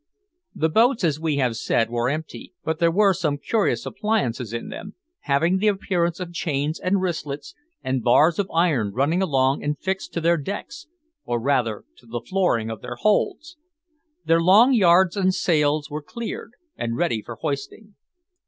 The boats, as we have said, were empty, but there were some curious appliances in them, having the appearance of chains, and wristlets, and bars of iron running along and fixed to their decks, or rather to the flooring of their holds. Their long yards and sails were cleared and ready for hoisting.